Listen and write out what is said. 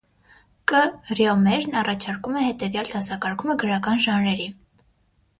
Կ. Ռյոմերն առաջարկում է հետևյալ դասակարգումը գրական ժանրերի։